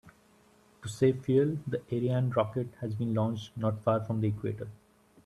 To save fuel, the Ariane rocket has been launched not far from the equator.